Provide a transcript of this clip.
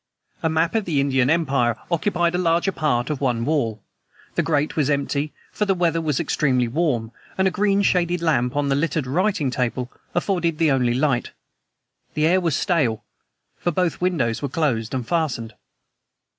A map of the Indian Empire occupied the larger part of one wall. The grate was empty, for the weather was extremely warm, and a green shaded lamp on the littered writing table afforded the only light. The air was stale, for both windows were closed and fastened.